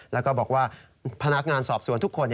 แล้วก็บอกว่าพนักงานสอบสวนทุกคน